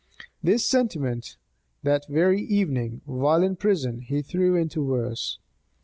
This sentiment, that very evening, while in prison, he threw into verse.